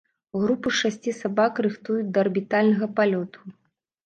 Групу з шасці сабак рыхтуюць да арбітальнага палёту.